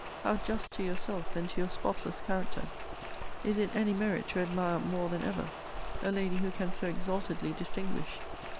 How just to yourself, and to your spotless character! Is it any merit to admire more than ever a lady who can so exaltedly distinguish?